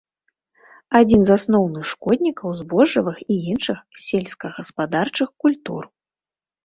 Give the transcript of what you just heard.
Адзін з асноўных шкоднікаў збожжавых і іншых сельскагаспадарчых культур.